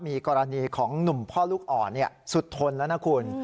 มีกรณีของหนุ่มพ่อลูกอ่อนสุดทนแล้วนะคุณ